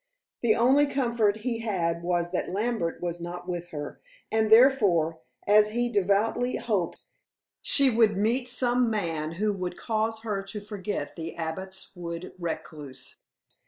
The only comfort he had was that Lambert was not with her, and therefore as he devoutly hoped she would meet some man who would cause her to forget the Abbot's Wood recluse.